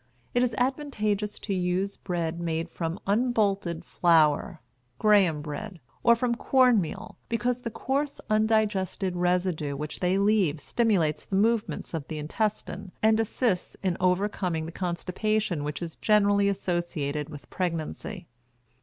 It is advantageous to use bread made from unbolted flour (Graham bread) or from corn meal, because the coarse undigested residue which they leave stimulates the movements of the intestine and assists in overcoming the constipation which is generally associated with pregnancy.